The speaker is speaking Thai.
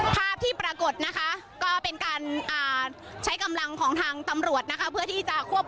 ภาพที่ปรากฏนะคะก็เป็นการใช้กำลังของทางตำรวจนะคะเพื่อที่จะควบ